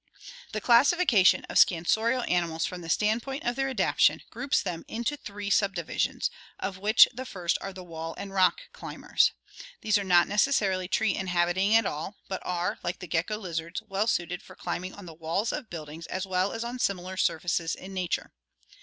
— The classification of scansorial ani mals from the standpoint of their adaptation groups them into three subdivisions, of which the first are the wall and rock climbers. These are not necessarily tree inhabiting at all, but are, like the SCANSORIAL ADAPTATION 33Q gecko lizards, well suited for climbing on the walls of buildings as well as on similar surfaces in nature.